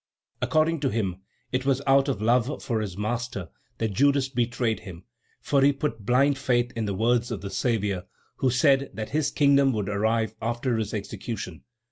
According to him, it was out of love for his master that Judas betrayed him, for he put blind faith in the words of the Saviour, who said that his kingdom would arrive after his execution.